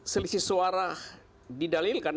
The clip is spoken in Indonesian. selisih suara didalilkan